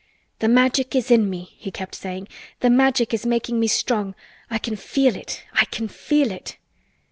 "The Magic is in me!" he kept saying. "The Magic is making me strong! I can feel it! I can feel it!"